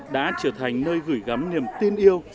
đã trở thành nơi gửi gắm niềm tin yêu